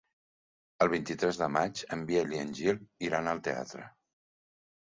El vint-i-tres de maig en Biel i en Gil iran al teatre.